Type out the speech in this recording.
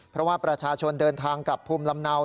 เพราะว่าประชาชนเดินทางกลับภูมิลำเนา